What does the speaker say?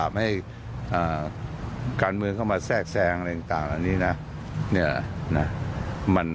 ให้การเมืองเข้ามาแทรกแซงอะไรต่างอันนี้นะ